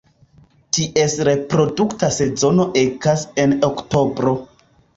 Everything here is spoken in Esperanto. Ties reprodukta sezono ekas en oktobro.